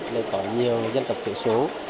nên có nhiều dân tộc tiểu số